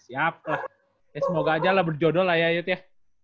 semoga aja lah berjodoh lah ya yut ya